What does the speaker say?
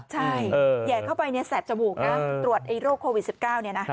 ใช่ใหญ่เข้าไปแสบจมูกนะตรวจโรคโควิด๑๙เนี่ยนะ